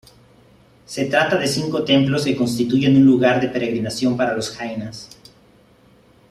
Se trata de cinco templos que constituyen un lugar de peregrinación para los jainas.